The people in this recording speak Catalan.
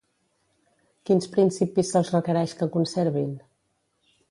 Quins principis se'ls requereix que conservin?